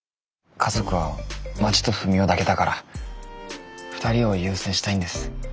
家族はまちとふみおだけだから２人を優先したいんです。